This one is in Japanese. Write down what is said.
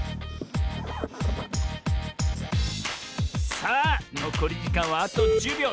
さあのこりじかんはあと１０びょう。